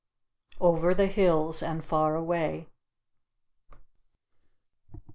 Over the hills and far away.